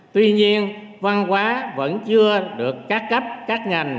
tuy nhiên văn hóa vẫn chưa được các cấp các ngành